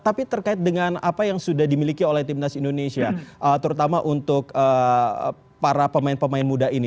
tapi terkait dengan apa yang sudah dimiliki oleh timnas indonesia terutama untuk para pemain pemain muda ini